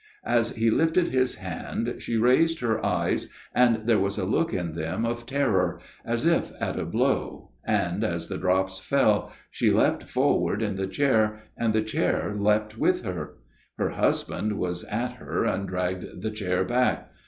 " As he lifted his hand she raised her eyes, and there was a look in them of terror, as if at a blow, and as the drops fell she leapt forward in the chair, and the chair leapt with her. Her husband was at her and dragged the chair back.